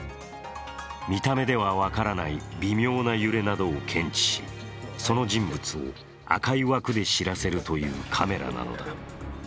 見た目では分からない微妙な揺れなどを検知しその人物を赤い枠で知らせるというカメラなのだ。